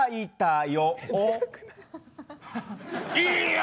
いや！